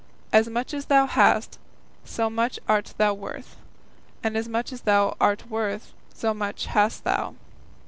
As much as thou hast so much art thou worth, and as much as thou art worth so much hast thou.